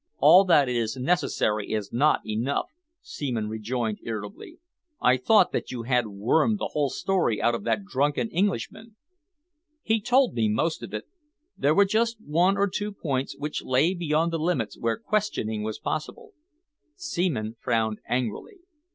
"All that is necessary is not enough," Seaman rejoined irritably. "I thought that you had wormed the whole story out of that drunken Englishman?" "He told me most of it. There were just one or two points which lay beyond the limits where questioning was possible." Seaman frowned angrily.